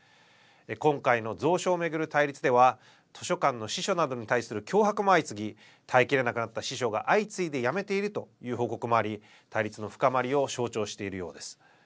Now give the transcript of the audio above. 今回の蔵書を巡る対立では図書館の司書などに対する脅迫も相次ぎ耐えきれなくなった司書が相次いで辞めているという報告もあり対立の深まりを象徴しているようです。